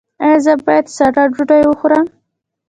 ایا زه باید سړه ډوډۍ وخورم؟